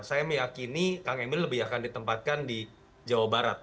saya meyakini kang emil lebih akan ditempatkan di jawa barat